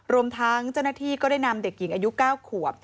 รวมทั้งเจ้าหน้าที่ก็ได้นำเด็กหญิงอายุ๙ขวบ